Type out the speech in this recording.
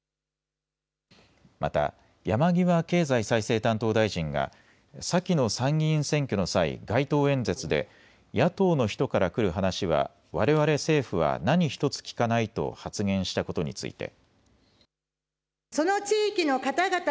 また、山際経済再生担当大臣が先の参議院選挙の際、街頭演説で野党の人からくる話はわれわれ政府は何一つ聞かないと発言したことについて。